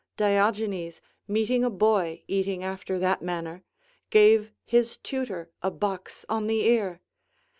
Diogenes, meeting a boy eating after that manner, gave his tutor a box on the ear!